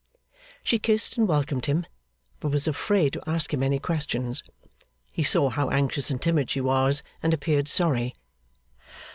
She kissed and welcomed him; but was afraid to ask him any questions. He saw how anxious and timid she was, and appeared sorry.